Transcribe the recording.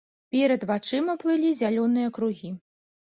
Перад вачыма плылі зялёныя кругі.